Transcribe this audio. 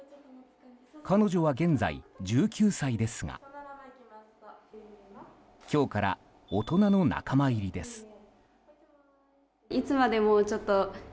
彼女は現在１９歳ですが今日から大人の仲間入りです。